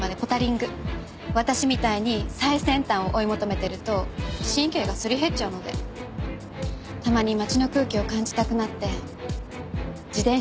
私みたいに最先端を追い求めてると神経がすり減っちゃうのでたまに街の空気を感じたくなって自転車散歩へ出かけるんです。